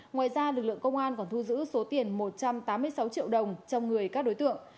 ngoài ra lực lượng công an còn thu giữ số tiền một trăm tám mươi sáu triệu đồng trong người các đối tượng